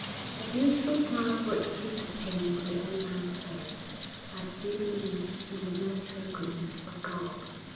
A beautiful smile broke through the pain on the old man's face. 'I still believe in the merciful goodness of God!'